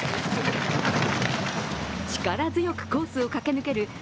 力強くコースを駆け抜ける